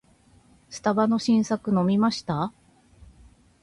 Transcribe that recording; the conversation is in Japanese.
スタバの新作飲みました？